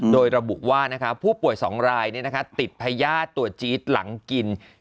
โดยระบุว่านะคะผู้ป่วยสองลายนี้นะคะติดพญาตัวจี๊ดหลังกิน